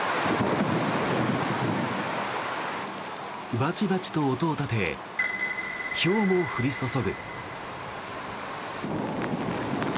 バチバチと音を立てひょうも降り注ぐ。